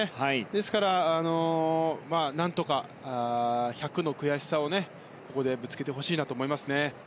ですから、何とか１００の悔しさをここでぶつけてほしいなと思いますね。